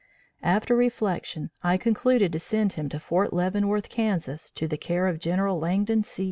After reflection, I concluded to send him to Fort Leavenworth, Kansas, to the care of General Langdon C.